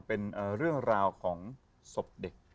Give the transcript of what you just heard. เป็นเรื่องราวของศพเด็ก